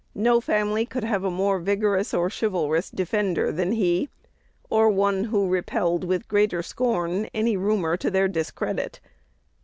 No family could have a more vigorous or chivalrous defender than he, or one who repelled with greater scorn any rumor to their discredit.